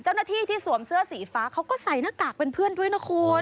ที่สวมเสื้อสีฟ้าเขาก็ใส่หน้ากากเป็นเพื่อนด้วยนะคุณ